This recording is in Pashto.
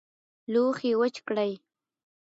لوښي وچ کړئ